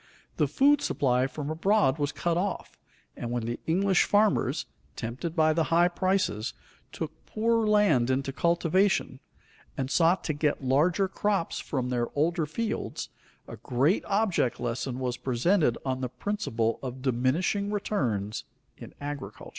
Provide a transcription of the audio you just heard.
The food supply from abroad was cut off, and when the English farmers, tempted by the high prices, took poorer land into cultivation, and sought to get larger crops from their older fields, a great object lesson was presented on the principle of diminishing returns in agriculture.